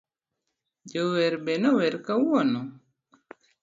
Jower be nower kawuono,.